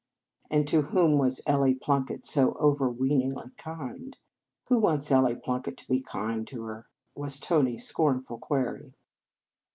And to whom was Ellie Plunkett so overweeningly kind ?" Who wants Ellie Plunkett to be kind to her ?" was Tony s scornful query.